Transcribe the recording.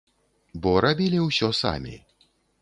Бо рабілі ўсё самі.